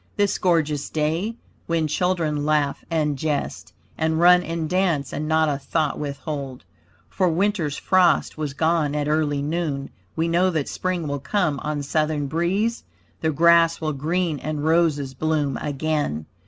This gorgeous day, when children laugh and jest, And run and dance and not a thought withhold. For Winter's frost was gone at early noon. We know that Spring will come on southern breeze; The grass will green and roses bloom again.